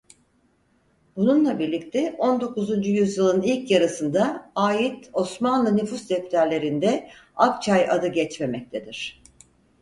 Bununla birlikte on dokuzuncu yüzyılın ilk yarısında ait Osmanlı nüfus defterlerinde "Akçay" adı geçmemektedir.